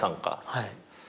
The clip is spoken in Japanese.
はい。